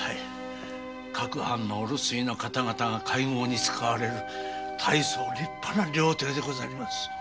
各藩のお留守居の方々が会合に使われる大層立派な料亭でございます。